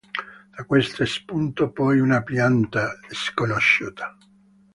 Da questa spuntò poi una pianta sconosciuta.